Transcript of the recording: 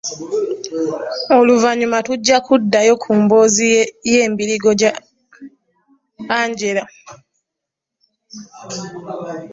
Oluvannyuma tujja kuddayo ku mboozi y'embirigo gya Angela.